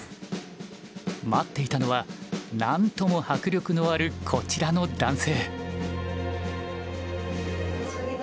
待っていたのは何とも迫力のあるこちらの男性。